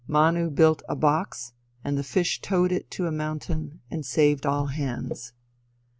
Manu built a "box" and the fish towed it to a mountain and saved all hands.